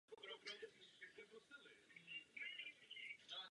Dosáhla osmého místa na Letních olympijských hrách v Londýně.